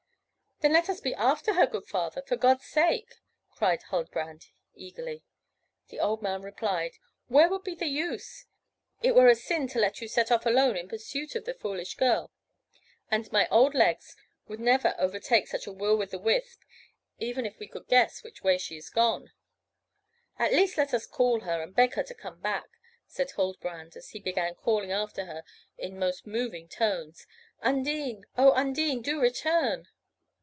"Then let us be after her, good father, for God's sake!" cried Huldbrand eagerly. The old man replied, "Where would be the use? It were a sin to let you set off alone in pursuit of the foolish girl, and my old legs would never overtake such a Will with the wisp even if we could guess which way she is gone." "At least let us call her, and beg her to come back," said Huldbrand; and he began calling after her in most moving tones: "Undine! O Undine, do return!"